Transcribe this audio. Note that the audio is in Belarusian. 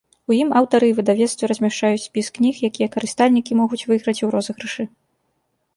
У ім аўтары і выдавецтвы размяшчаюць спіс кніг, якія карыстальнікі могуць выйграць у розыгрышы.